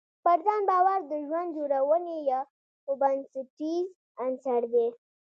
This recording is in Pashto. پر ځان باور د ژوند جوړونې یو بنسټیز عنصر دی.